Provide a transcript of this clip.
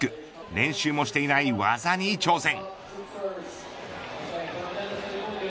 練習もしていない技に挑戦。